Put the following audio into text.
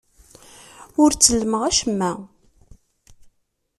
Ur ttellmeɣ acemma.